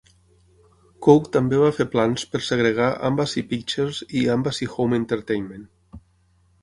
Coke també va fer plans per segregar Embassy Pictures i Embassy Home Entertainment.